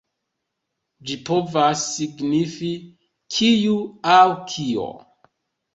Ĝi povas signifi „kiu“ aŭ „kio“.